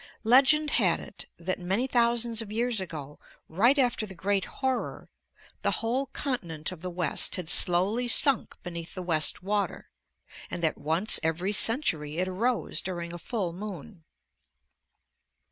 _ Legend had it, that many thousands of years ago, right after the Great Horror, the whole continent of the west had slowly sunk beneath the West Water, and that once every century it arose during a full moon.